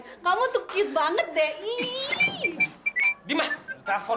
kalo kamu tuh ketangkep bahasa lagi ngelirik cewek lain